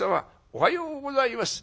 おはようございます。